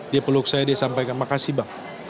dia peluk saya dia sampaikan makasih bang